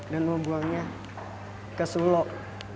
dan membuangnya ke suluk